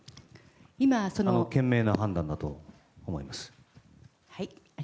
賢明な判断だと思います。